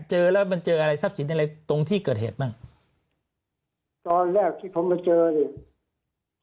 เจอแล้วมันเจออะไรทรัพย์สินอะไรตรงที่เกิดเหตุบ้างตอนแรกที่ผมมาเจอเนี่ย